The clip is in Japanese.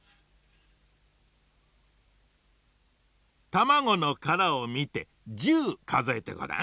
たまごのからをみて１０かぞえてごらん。